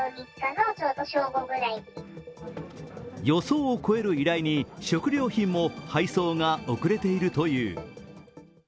予想を超える依頼に食料品も配送が遅れているという。